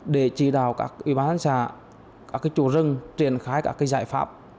để chỉ đào các bán xã các chủ rừng triển khai các giải pháp